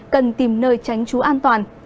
cần tìm nơi tránh chú an toàn